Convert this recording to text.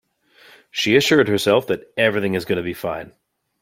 She assured herself that everything is gonna be fine.